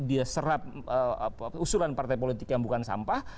dia serap usulan partai politik yang bukan sampah